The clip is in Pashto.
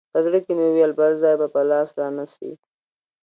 په زړه کښې مې وويل بل ځاى به په لاس را نه سې.